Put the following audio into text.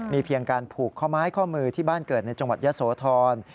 เพียงการผูกข้อไม้ข้อมือที่บ้านเกิดในจังหวัดยะโสธร